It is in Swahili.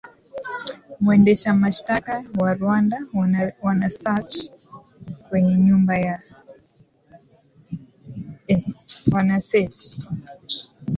mwendesha mashtaka wa rwanda wanesearch kwenye nyumba ya